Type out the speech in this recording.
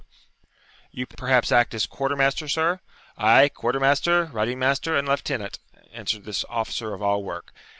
'You perhaps act as quartermaster, sir?' 'Ay, quartermaster, riding master, and lieutenant,' answered this officer of all work.